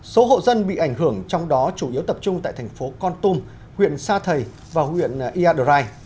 số hộ dân bị ảnh hưởng trong đó chủ yếu tập trung tại thành phố con tum huyện sa thầy và huyện iadrai